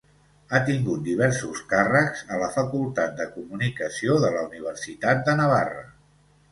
Ha tingut diversos càrrecs a la Facultat de Comunicació de la Universitat de Navarra.